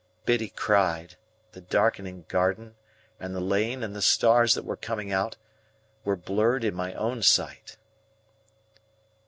Biddy cried; the darkening garden, and the lane, and the stars that were coming out, were blurred in my own sight.